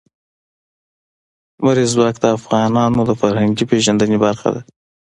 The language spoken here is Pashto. لمریز ځواک د افغانانو د فرهنګي پیژندنې برخه ده.